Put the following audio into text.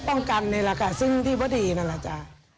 เพื่อป้องกันคนเนี่ยซึ่งที่ไม่ดีนั่นล่ะเจ้า